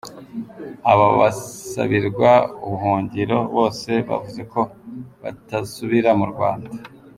Aba basabirwa ubuhungiro, bose bavuze ko batasubira mu Rwanda.